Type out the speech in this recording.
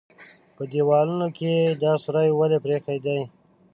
_په دېوالونو کې يې دا سوري ولې پرېښي دي؟